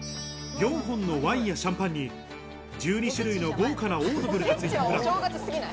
４本のワインやシャンパンに１２種類の豪華なオードブルがついたプラン。